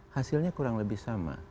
hasilnya kurang lebih sama